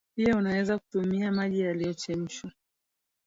pia unaweza tumia maji yaliyochemshwa